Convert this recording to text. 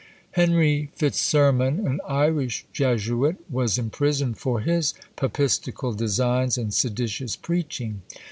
Henry Fitzsermon, an Irish Jesuit, was imprisoned for his papistical designs and seditious preaching.